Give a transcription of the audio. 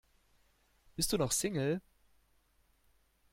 Bist du noch Single?